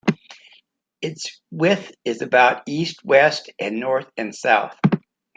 Its width is about east-west and north-south.